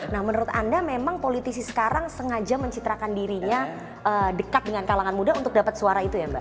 nah menurut anda memang politisi sekarang sengaja mencitrakan dirinya dekat dengan kalangan muda untuk dapat suara itu ya mbak